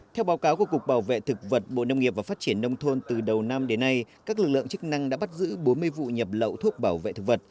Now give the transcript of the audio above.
theo báo cáo của cục bảo vệ thực vật bộ nông nghiệp và phát triển nông thôn từ đầu năm đến nay các lực lượng chức năng đã bắt giữ bốn mươi vụ nhập lậu thuốc bảo vệ thực vật